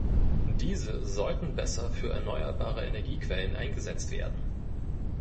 Diese sollten besser für erneuerbare Energiequellen eingesetzt werden.